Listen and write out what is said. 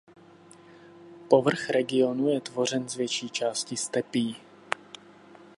Povrch regionu je tvořen z větší části stepí.